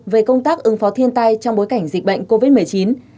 về công tác ứng phó thiên tai trong bối cảnh dịch bệnh covid một mươi chín